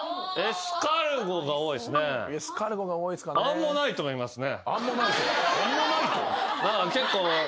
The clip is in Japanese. アンモナイトがいますね。